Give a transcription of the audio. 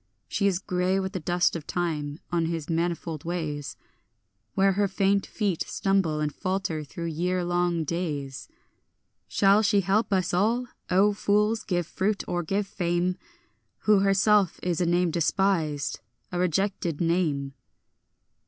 She is grey with the dust of time on his manifold ways, Where her faint feet stumble and falter through year long days. Shall she help us at all, O fools, give fruit or give fame, Who herself is a name despised, a rejected name?